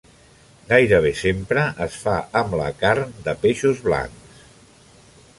Gairebé sempre es fa amb la carn de peixos blancs.